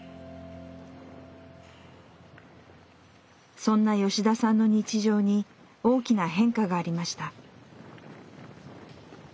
そんな吉田さんの日常に大きな変化がありました。